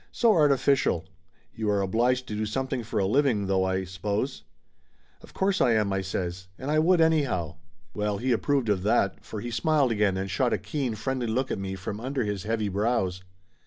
"So arti ficial. You are obliged to do something for a living, though, I suppose ?" "Of course I am !" I says. "And I would anyhow !" Laughter Limited 67 Well, he approved of that, for he smiled again and shot a keen, friendly look at me from under his heavy brows.